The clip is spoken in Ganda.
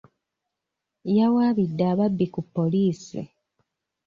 Yawaabidde ababbi ku poliisi.